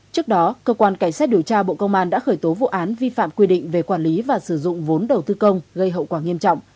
trước đó cơ quan cảnh sát điều tra bộ công an đã khởi tố vụ án vi phạm quy định về quản lý và sử dụng vốn đầu tư công gây hậu quả nghiêm trọng